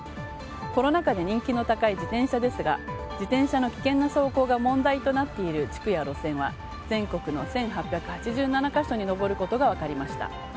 コロナ禍で人気の高い自転車ですが自転車の危険な走行が問題となっている地区や路線は全国の１８８７か所に上ることが分かりました。